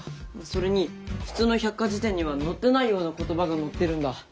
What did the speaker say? それに普通の百科事典には載ってないような言葉が載ってるんだ。